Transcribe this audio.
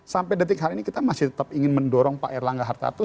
sampai detik hari ini kita masih tetap ingin mendorong pak erlangga hartarto